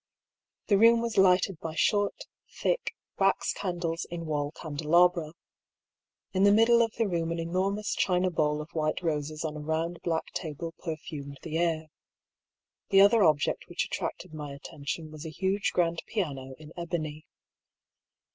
The room was lighted by short, thick wax candles in wall candelabra. In the middle of the room an enormous china bowl of white roses on a round black table perfumed the air. The other object which attracted my attention was a huge grand piano in ebony.